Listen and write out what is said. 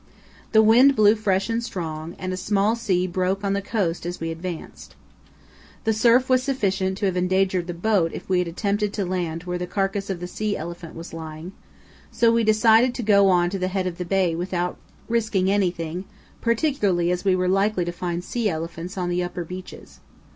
The wind blew fresh and strong, and a small sea broke on the coast as we advanced. The surf was sufficient to have endangered the boat if we had attempted to land where the carcass of the sea elephant was lying, so we decided to go on to the head of the bay without risking anything, particularly as we were likely to find sea elephants on the upper beaches.